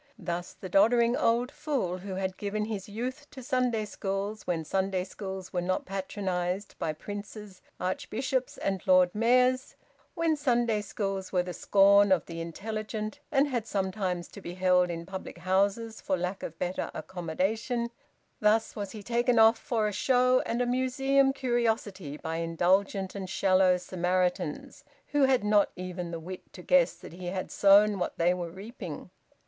Thus was the doddering old fool who had given his youth to Sunday schools when Sunday schools were not patronised by princes, archbishops, and lord mayors, when Sunday schools were the scorn of the intelligent, and had sometimes to be held in public houses for lack of better accommodation, thus was he taken off for a show and a museum curiosity by indulgent and shallow Samaritans who had not even the wit to guess that he had sown what they were reaping.